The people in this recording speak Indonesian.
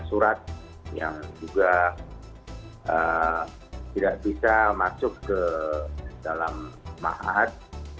surat yang juga tidak bisa masuk ke dalam mahat